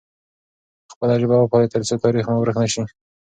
خپله ژبه وپالئ ترڅو تاریخ مو ورک نه سي.